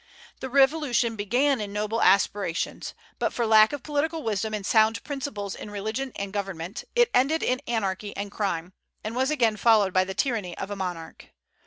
The Revolution began in noble aspirations, but for lack of political wisdom and sound principles in religion and government, it ended in anarchy and crime, and was again followed by the tyranny of a monarch.